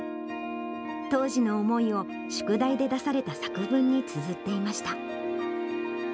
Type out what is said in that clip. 当時の思いを、宿題で出された作文につづっていました。